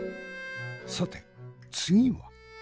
さて次は？